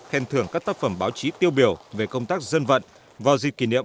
khen thưởng các tác phẩm báo chí tiêu biểu về công tác dân vận vào dịp kỷ niệm